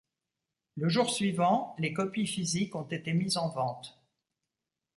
Le jour suivant, les copies physiques ont été mises en ventes.